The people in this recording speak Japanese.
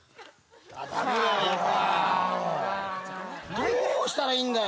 どうしたらいいんだよ？